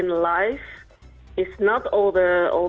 yang paling penting dalam hidup